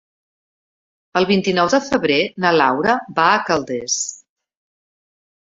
El vint-i-nou de febrer na Laura va a Calders.